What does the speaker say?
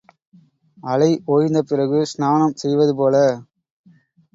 அலை ஓய்ந்த பிறகு ஸ்நானம் செய்வது போல.